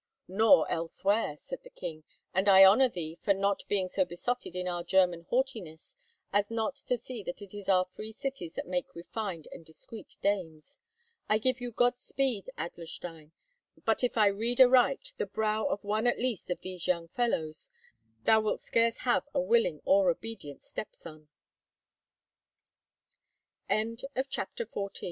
"Nor elsewhere," said the king; "and I honour thee for not being so besotted in our German haughtiness as not to see that it is our free cities that make refined and discreet dames. I give you good speed, Adlerstein; but, if I read aright the brow of one at least of these young fellows, thou wilt scarce have a willing or obedient stepson." CHAPTER XV TH